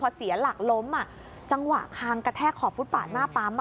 พอเสียหลักล้มจังหวะคางกระแทกขอบฟุตปาดหน้าปั๊ม